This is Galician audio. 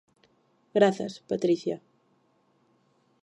Grazas, Patricia.